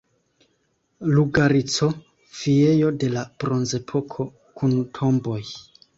Lugarico Viejo de la Bronzepoko kun tomboj.